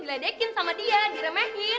diledekin sama dia diremehin